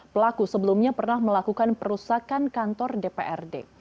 pelaku sebelumnya pernah melakukan perusakan kantor dprd